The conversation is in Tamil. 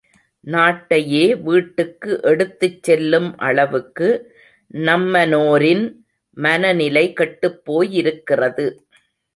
நாட்டையே வீட்டுக்கு எடுத்துச் செல்லும் அளவுக்கு நம்மனோரின் மனநிலை கெட்டுப் போயிருக்கிறது.